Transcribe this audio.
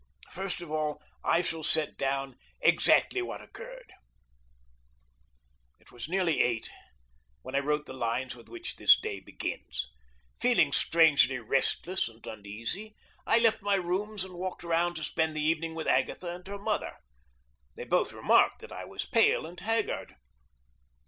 First of all I shall set down exactly what occurred. It was nearly eight when I wrote the lines with which this day begins. Feeling strangely restless and uneasy, I left my rooms and walked round to spend the evening with Agatha and her mother. They both remarked that I was pale and haggard.